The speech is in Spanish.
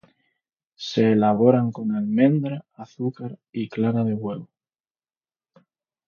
Se elaboran con almendra, azúcar y clara de huevo.